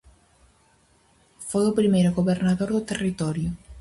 Foi o primeiro gobernador do territorio.